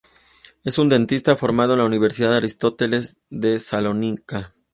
Es un dentista formado en la Universidad Aristóteles de Salónica.